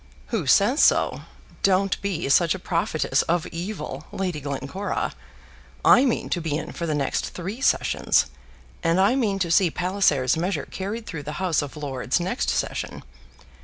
"Who says so? Don't be such a prophetess of evil, Lady Glencora. I mean to be in for the next three sessions, and I mean to see Palliser's measure carried through the House of Lords next session.